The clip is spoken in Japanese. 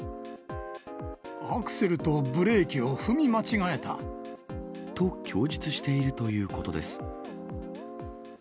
アクセルとブレーキを踏み間と、供述しているということです。